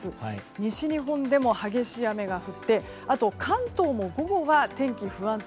西日本でも激しい雨が降ってあと、関東も午後は天気が不安定。